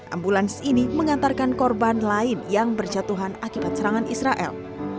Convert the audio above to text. ambulans ini mengantarkan korban lain yang berjatuhan akibat serangan israel